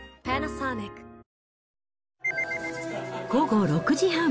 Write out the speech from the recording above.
午後６時半。